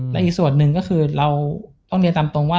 และอีกส่วนหนึ่งก็คือเราต้องเรียนตามตรงว่า